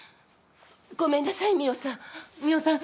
ごめんなさい澪さん。